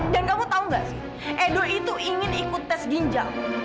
dan kamu tahu nggak sih edo itu ingin ikut tes ginjal